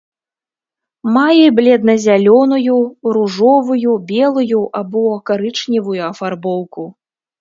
Мае бледна-зялёную, ружовую, белую або карычневую афарбоўку.